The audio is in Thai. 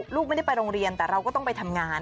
ลูกไม่ได้ไปโรงเรียนแต่เราก็ต้องไปทำงาน